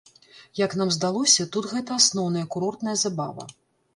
Як нам здалося, тут гэта асноўная курортная забава.